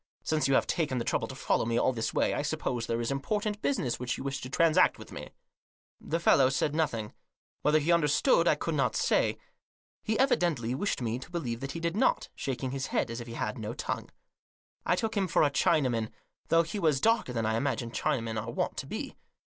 Since you have taken the trouble to follow me all this way, I suppose there is important business which you wish to transact with me." The fellow said nothing. Whether he understood I could not say. He evidently wished me to believe that he did not, shaking his head, as if he had no tongue. I took him for a Chinaman, though he was darker than I imagine Chinamen are wont to be.